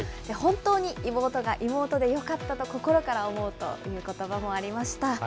本当に妹が妹でよかったと心から思うということばもありました。